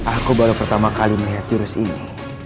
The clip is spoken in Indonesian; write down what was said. aku baru pertama kali melihat virus ini